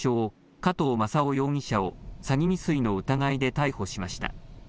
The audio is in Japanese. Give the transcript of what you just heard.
加藤正夫容疑者を詐欺未遂の疑いで逮捕しました。